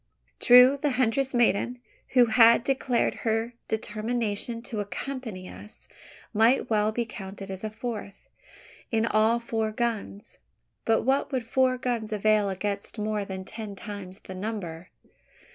True, the huntress maiden, who had declared her determination to accompany us, might well be counted as a fourth; in all four guns. But what would four guns avail against more than ten times the number?